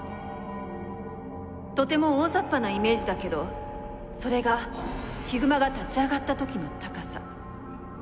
とても大ざっぱなイメージだけどそれがヒグマが立ち上がった時の高さ。